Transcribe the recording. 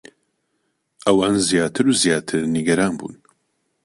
ئەوان زیاتر و زیاتر نیگەران بوون.